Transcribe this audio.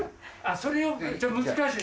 それ難しい。